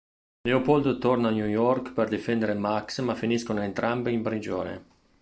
Leopold torna a New York per difendere Max ma finiscono entrambi in prigione.